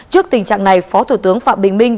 trước tình trạng này phó thủ tướng phạm bình minh